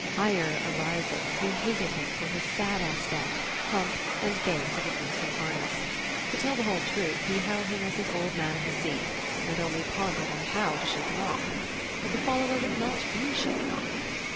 Ire arising, he hated him for his sad aspect, hump and gait of a goose in harness. To tell the whole truth, he held him as his Old Man of the Sea, and only pondered on how to shake him off; but the follower would not be shaken off.